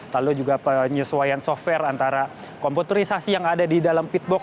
lalu juga penyesuaian software antara komputerisasi yang ada di dalam pitbox